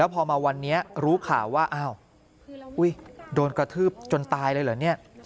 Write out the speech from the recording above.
พอมาวันนี้รู้ข่าวว่าอ้าวโดนกระทืบจนตายเลยเหรอเนี่ย